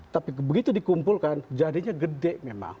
tapi begitu dikumpulkan jadinya gede memang